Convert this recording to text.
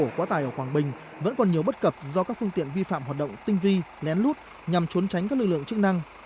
quá tải quá tài ở quảng bình vẫn còn nhiều bất cập do các phương tiện vi phạm hoạt động tinh vi nén lút nhằm trốn tránh các lực lượng chức năng